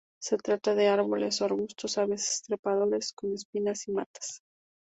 Se trata de árboles o arbustos, a veces trepadores con espinas, y matas.